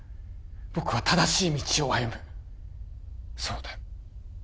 僕は正しい道を歩むそうだ